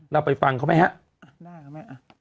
เราไปฟังเขาไหมครับ